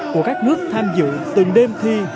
của các nước tham dự từng đêm thi